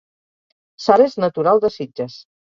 Sara és natural de Sitges